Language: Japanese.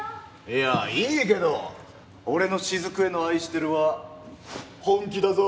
いやいいけど俺の雫への「愛してる」は本気だぞ。